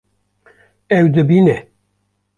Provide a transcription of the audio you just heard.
Ew dibîne